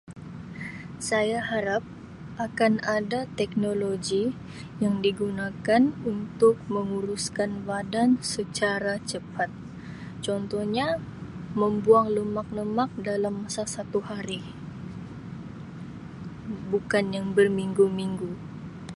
Saya harap akan ada teknologi yang digunakan untuk menguruskan badan secara cepat contohnya membuang lemak-lemak dalam masa satu hari bukan yang berminggu-minggu.